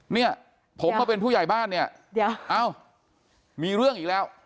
เนี่ยผมมาเป็นผู้ใหญ่บ้านเนี่ยเดี๋ยวเอ้ามีเรื่องอีกแล้ว